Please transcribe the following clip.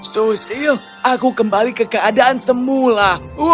susil aku kembali ke keadaan semula